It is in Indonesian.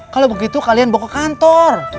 kalau begitu kalian bawa ke kantor